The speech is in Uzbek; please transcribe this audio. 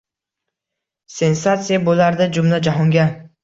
Sensatsiya bo’lardi jumla-jahonga